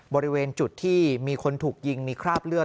บริเวณจุดที่มีคนถูกยิงมีคราบเลือด